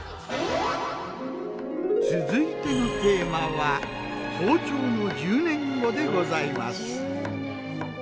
続いてのテーマは「包丁の１０年後」でございます。